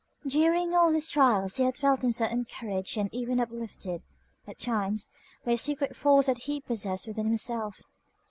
During all these trials he had felt himself encouraged and even uplifted, at times, by a secret force that he possessed within himself.